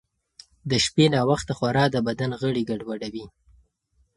د شپې ناوخته خورا د بدن غړي ګډوډوي.